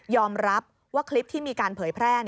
รับว่าคลิปที่มีการเผยแพร่